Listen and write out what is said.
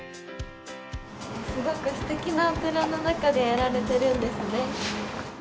すごくすてきなお寺の中でやられてるんですね。